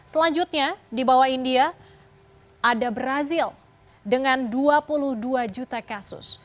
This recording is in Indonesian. selanjutnya di bawah india ada brazil dengan dua puluh dua juta kasus